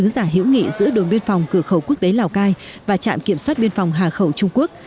giữ đồn biên phòng cửa khẩu quốc tế lào cai và trạm kiểm soát biên phòng hà khẩu trung quốc